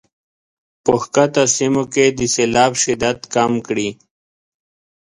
په ښکته سیمو کې د سیلاب شدت کم کړي.